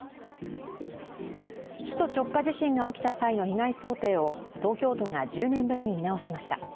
首都直下地震が起きた際の被害想定を東京都が１０年ぶりに見直しました。